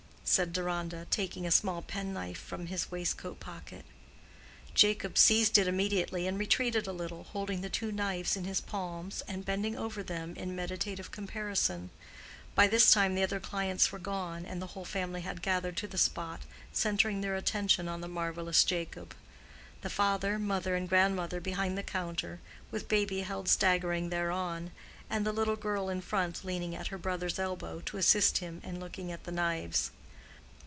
said Deronda, taking a small penknife from his waistcoat pocket. Jacob seized it immediately and retreated a little, holding the two knives in his palms and bending over them in meditative comparison. By this time the other clients were gone, and the whole family had gathered to the spot, centering their attention on the marvelous Jacob: the father, mother, and grandmother behind the counter, with baby held staggering thereon, and the little girl in front leaning at her brother's elbow to assist him in looking at the knives.